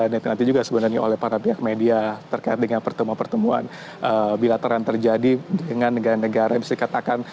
nanti nanti juga sebenarnya oleh para pihak media terkait dengan pertemuan pertemuan bilater yang terjadi dengan negara negara yang bisa dikatakan